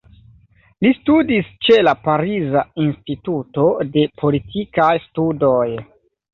Li studis ĉe la Pariza Instituto de Politikaj Studoj.